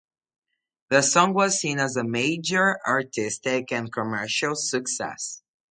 The song was seen as a major artistic and commercial success.